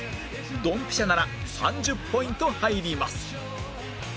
ドンピシャなら３０ポイント入ります